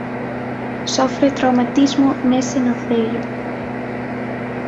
Sofre traumatismo nese nocello.